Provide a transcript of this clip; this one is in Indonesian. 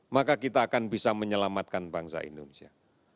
maka kita akan bisa menyelamatkan bangsa indonesia